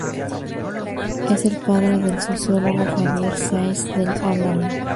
Es el padre del sociólogo Javier Sáez del Álamo.